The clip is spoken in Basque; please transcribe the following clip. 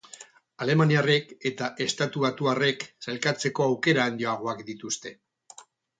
Alemaniarrek eta estatubatuarrek sailkatzeko aukera handiagoak dituzte.